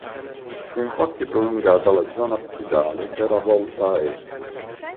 Fu infatti prolungata la zona absidale che era volta a est.